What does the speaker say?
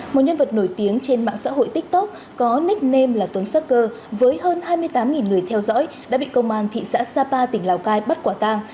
một nhân vật nổi tiếng trên mạng xã hội tiktok có nickname là tuấn sacker với hơn hai mươi tám người theo dõi đã bị công an thị xã sapa tỉnh lào cai bắt quả tang